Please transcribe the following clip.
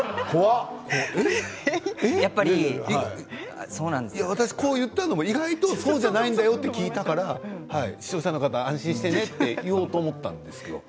いや私こう言ったのも意外とそうじゃないんだよって聞いたから視聴者の方安心してねって言おうと思ったんですよ。